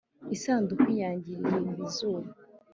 isanduku yanjye iririmba izuba